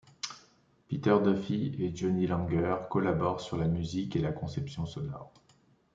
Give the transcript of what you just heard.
Peter Duffy et Johnny Langer collaborent sur la musique et la conception sonore.